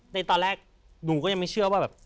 ในตอนแรกหนูก็ยังไม่เชื่อว่าแบบ